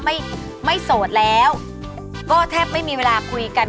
ไม่ไม่โสดแล้วก็แทบไม่มีเวลาคุยกัน